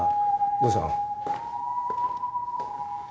どうしたの？